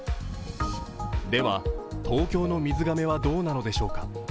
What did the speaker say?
では東京の水がめはどうなのでしょうか。